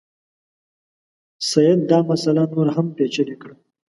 سید دا مسله نوره هم پېچلې کړه.